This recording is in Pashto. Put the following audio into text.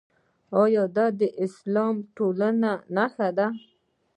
دا د اسلامي ټولنې نښه ده.